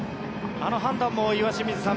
あの判断も岩清水さん